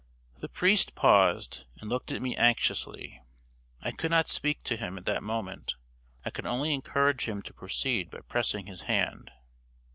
The priest paused and looked at me anxiously. I could not speak to him at that moment I could only encourage him to proceed by pressing his hand.